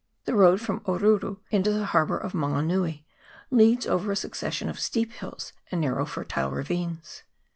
The road from Oruru into the harbour of Mango nui leads over a succession of steep hills and narrow fertile ravines.